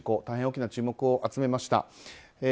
大変大きな注目を集めました。